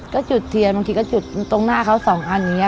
ก็จุดเทียนบางทีก็จุดตรงหน้าเขาสองอันอย่างนี้